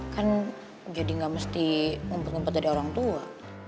kan jadi gak mesti ngumpet ngumpet dari orang tua